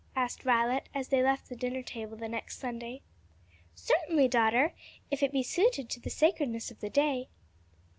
asked Violet as they left the dinner table the next Sunday. "Certainly, daughter, if it be suited to the sacredness of the day."